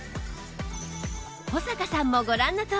保坂さんもご覧のとおり